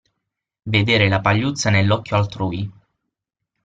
Vedere la pagliuzza nell'occhio altrui.